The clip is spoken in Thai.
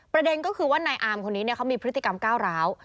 ประเด็นก็คือว่านายอามคนนี้เขามีพฤติกรรมก้าวร้าว